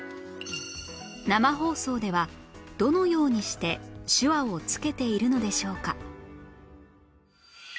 生放送ではどのようにして手話をつけているのでしょうか